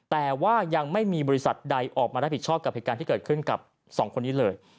แต่ว่ายังไม่มีบริษัทใดออกมารับผิดชอบกับเหตุการณ์ที่เกิดขึ้นกับสองคนนี้เลย